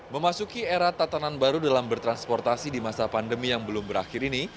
memasuki era tatanan baru dalam bertransportasi di masa pandemi yang belum berakhir ini